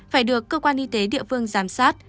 phải được cơ quan y tế địa phương giám sát